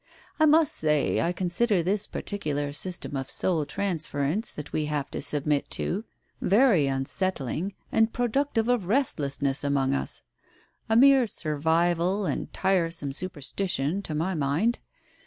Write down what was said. I must say I consider this particular system of soul transference that we have to submit to, very un settling and productive of restlessness among us — a mere Digitized by Google 136 TALES OF THE UNEASY survival and tiresome superstition, to my mind.